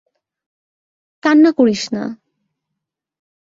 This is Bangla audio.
কান্না করিস না।